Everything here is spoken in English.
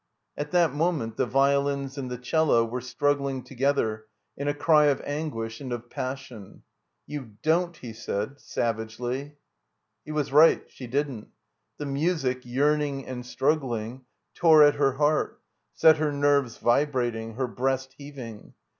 At that moment the violins and the cello were struggling together in a cry of anguish and of passion. ''You don%'* he said, savagely. He was right. She didn't. The music, yearning and struggling, tore at her heart, set her nerves vibrating, her breast heaving.